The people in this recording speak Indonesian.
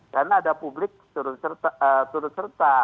karena ada publik turut serta